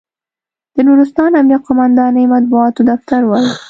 د نورستان امنیه قوماندانۍ مطبوعاتي دفتر وایي،